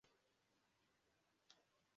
ese ntimunywa namwe